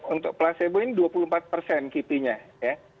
untuk placebo ini dua puluh empat persen kipinya ya